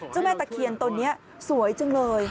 แม่ตะเคียนตนนี้สวยจังเลย